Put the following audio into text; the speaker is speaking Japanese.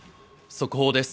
速報です。